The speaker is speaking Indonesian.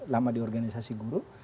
lama di organisasi guru